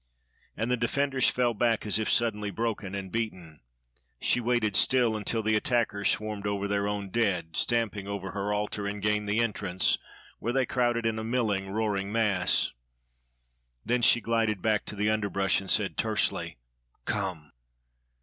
And the defenders fell back as if suddenly broken and beaten. She waited still, until the attackers swarmed over their own dead, stamping over her altar, and gained the entrance, where they crowded in a milling, roaring mass. Then she glided back to the underbrush and said tersely: "Come!"